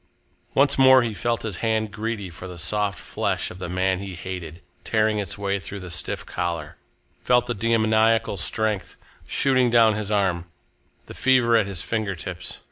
Once more he felt his hand greedy for the soft flesh of the man he hated, tearing its way through the stiff collar, felt the demoniacal strength shooting down his arm, the fever at his finger tips.